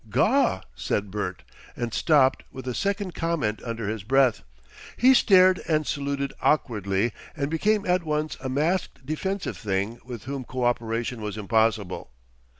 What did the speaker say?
"Gaw!" said Bert, and stopped with a second comment under his breath. He stared and saluted awkwardly and became at once a masked defensive thing with whom co operation was impossible.